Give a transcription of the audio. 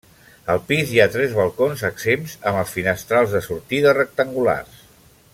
Al pis hi ha tres balcons exempts amb els finestrals de sortida rectangulars.